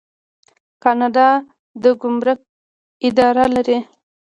کاناډا د ګمرک اداره لري.